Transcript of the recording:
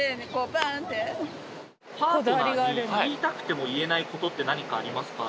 パートナーに言いたくても言えないことって何かありますか？